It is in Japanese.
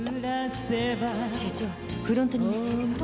社長フロントにメッセージが。